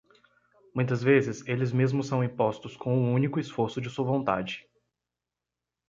Muitas vezes eles mesmos são impostos com o único esforço de sua vontade.